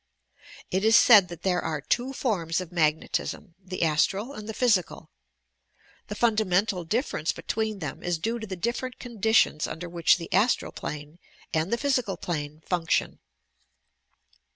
It is said that there are two forms of magnetism, the astral and the physical. The fundamental difference between them is due to the different conditions under which the astral plane aud the phj'sical plane function.